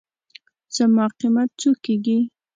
زما قېمت څو کېږي.